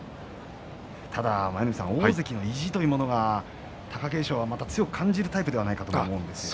ただ、大関の意地というものは貴景勝は強く感じるタイプではないかと思うんですが。